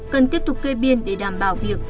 cần tiếp tục kê biên để đảm bảo việc